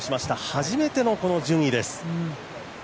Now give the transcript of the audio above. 初めての順位です。